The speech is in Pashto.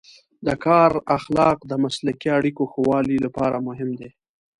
د کار اخلاق د مسلکي اړیکو ښه والي لپاره مهم دی.